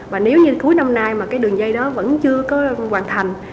và nếu như cuối năm nay mà cái đường dây đó vẫn chưa có hoàn thành